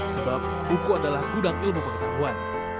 sebab buku adalah gudang ilmu pengetahuan